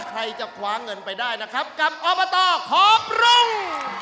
ใครจะคว้าเงินไปได้นะครับกับอบตขอบรุง